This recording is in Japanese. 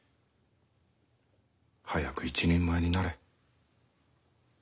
早く一人前になれ。